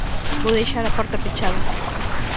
Vou deixar a porta pechada.